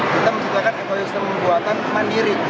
kita menciptakan ekosistem buatan mandiri